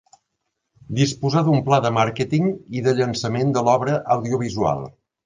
Disposar d'un pla de màrqueting i de llançament de l'obra audiovisual.